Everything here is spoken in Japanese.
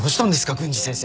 郡司先生。